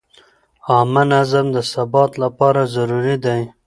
عامه نظم د ثبات لپاره ضروري دی.